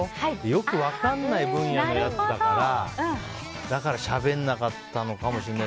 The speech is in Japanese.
よく分かんない分野のやつだからだからしゃべらなかったのかもしれない。